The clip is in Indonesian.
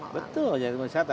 betul jadi daya tarik wisata